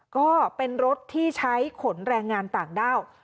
ก็เป็นรถที่ใช้ขนแรงงานต่างด้าว